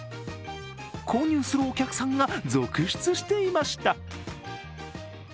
購入するお客さんが続出していました。